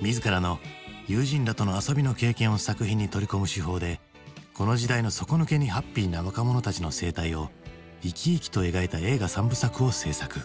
自らの友人らとの遊びの経験を作品に取り込む手法でこの時代の底抜けにハッピーな若者たちの生態を生き生きと描いた映画３部作を製作。